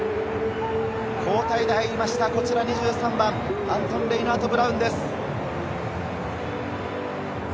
交代で入りました２３番、アントン・レイナートブラウンです。